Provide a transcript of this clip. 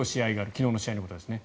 昨日の試合のことですね。